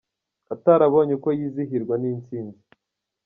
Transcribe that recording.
atarabonye uko yizihirwa n’intsinzi.